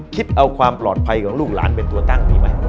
คิดเอาความปลอดภัยของลูกหลานเป็นตัวตั้งดีไหม